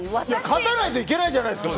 勝たないといけないじゃないですか。